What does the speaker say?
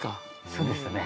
そうですね。